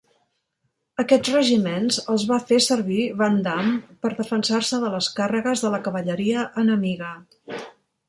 Aquests regiments els va fer servir Vandamme per defensar-se de les càrregues de la cavalleria enemiga.